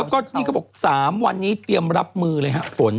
แล้วก็ที่นี่เขาบอก๓วันนี้เตรียมรับมือเลยฮะฝน